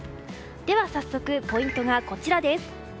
では早速、ポイントがこちらです。